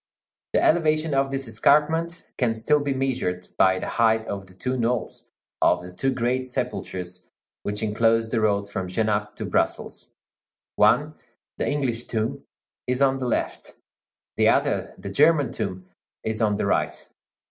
The elevation of this escarpment can still be measured by the height of the two knolls of the two great sepulchres which enclose the road from Genappe to Brussels: one, the English tomb, is on the left; the other, the German tomb, is on the right.